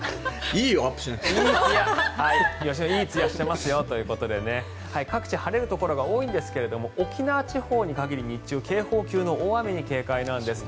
いいつやしてますよということで各地晴れるところが多いんですが沖縄地方に限り日中、警報級の大雨に警戒なんです。